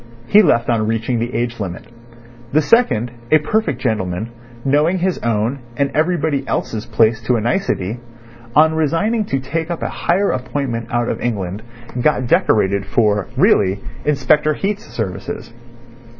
He left on reaching the age limit. The second, a perfect gentleman, knowing his own and everybody else's place to a nicety, on resigning to take up a higher appointment out of England got decorated for (really) Inspector Heat's services.